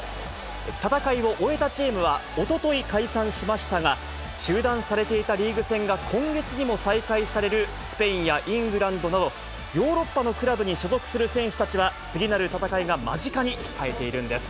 戦いを終えたチームはおととい解散しましたが、中断されていたリーグ戦が今月にも再開されるスペインやイングランドなど、ヨーロッパのクラブに所属する選手たちは、次なる戦いが間近に控えているんです。